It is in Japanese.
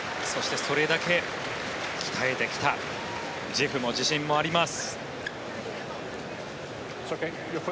それだけ鍛えてきた自負も自信もあります。